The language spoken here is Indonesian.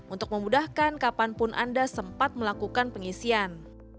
untuk memudahkan kapanpun anda sempat melakukan pengisian